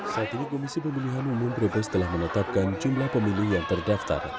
saat ini komisi pemilihan umum brebes telah menetapkan jumlah pemilih yang terdaftar